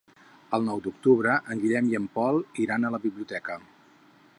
El nou d'octubre en Guillem i en Pol iran a la biblioteca.